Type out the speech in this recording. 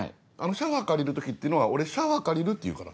シャワー借りる時っていうのは俺「シャワー借りる」って言うから。